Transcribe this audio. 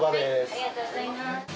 ありがとうございます。